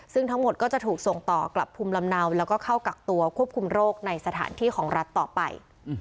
ซึ่งทั้งหมดก็จะถูกส่งต่อกลับภูมิลำเนาแล้วก็เข้ากักตัวควบคุมโรคในสถานที่ของรัฐต่อไป